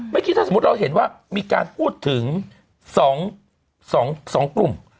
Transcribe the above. เมื่อกี้ถ้าสมมุติเราเห็นว่ามีการพูดถึง๒กลุ่ม